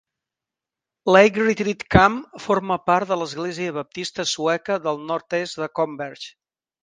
Lake Retreat Camp forma part de l'Església baptista sueca del nord-est de Converge.